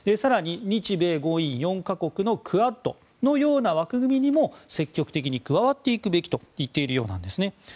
更に日米豪印４か国のクアッドのような枠組みにも積極的に加わっていくべきと言っているようです。